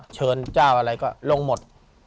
เชิญเจ้าอะไรก็ลงหมด